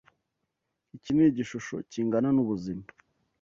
Iki ni igishusho kingana n'ubuzima.